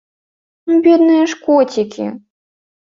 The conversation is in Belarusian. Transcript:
Ну бедныя ж коцікі!